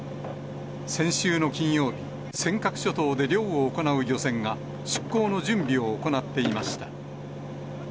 先週の金曜日、尖閣諸島で漁を行う漁船が、出港の準備を行っていました。